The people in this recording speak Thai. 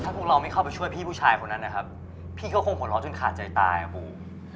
พวกเราไม่เข้าไปช่วยพี่ผู้ชายคนนั้นนะครับพี่ก็คงหัวเราะจนขาดใจตายอ่ะบูม